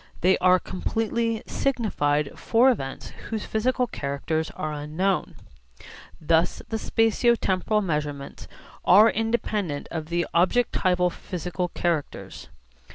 They are completely signified for events whose physical characters are unknown. Thus the spatio temporal measurements are independent of the objectival physical characters.